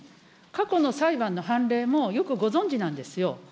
過去の裁判の判例もよくご存じなんですよ。